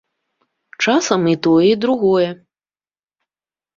Часам і тое, і другое.